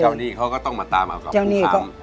เจ้านี่เขาก็ต้องมาตามกับผู้ทำ